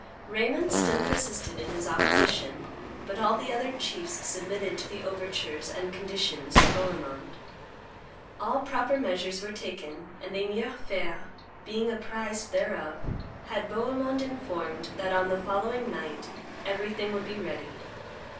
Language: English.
Raymond still persisted in his opposition; but all the other chiefs submitted to the overtures and conditions of Bohemond. All proper measures were taken, and Emir Fein, being apprised thereof, had Bohemond informed that on the following night everything would be ready.